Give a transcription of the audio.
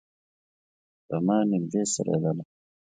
رمه نږدې څرېدله.